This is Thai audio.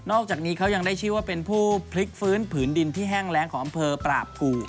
อกจากนี้เขายังได้ชื่อว่าเป็นผู้พลิกฟื้นผืนดินที่แห้งแรงของอำเภอปราบภู